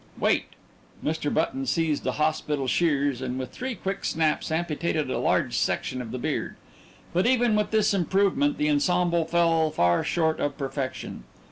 "Wait!" Mr. Button seized a hospital shears and with three quick snaps amputated a large section of the beard. But even with this improvement the ensemble fell far short of perfection.